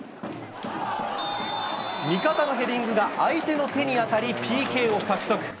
味方のヘディングが相手の手に当たり、ＰＫを獲得。